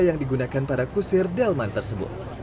yang digunakan para kusir delman tersebut